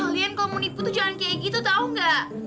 kalian kamu nipu tuh jangan kayak gitu tau gak